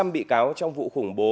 một trăm linh bị cáo trong vụ khủng bố